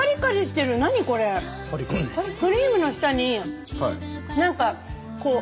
クリームの下に何かこう。